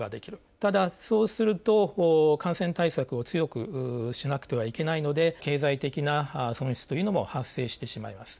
ただ、そうすると感染対策を強くしなくてはいけないので経済的な損失というのも発生してしまいます。